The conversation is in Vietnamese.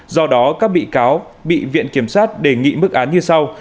do đó các bị cáo bị viện kiểm sát đề nghị mức án như sau